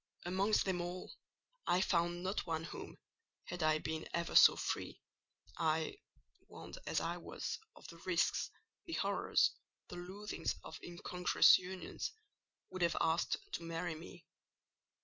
Amongst them all I found not one whom, had I been ever so free, I—warned as I was of the risks, the horrors, the loathings of incongruous unions—would have asked to marry me.